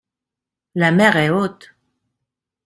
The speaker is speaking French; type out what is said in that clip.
La mer est haute